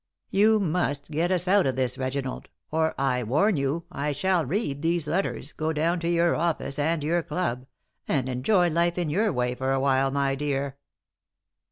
You must get us out of this, Reginald, or I warn you I shall read these letters, go down to your office and your club and enjoy life in your way for a while, my dear."